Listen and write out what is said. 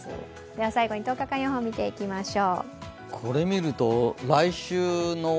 最後に１０日間予報見ていきましょう。